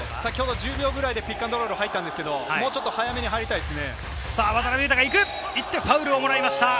１０秒くらいでピックアンドロールに入ったんですが、もうちょっと早めに入りたいですね。